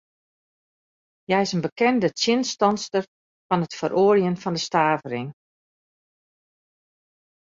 Hja is in bekende tsjinstanster fan it feroarjen fan de stavering.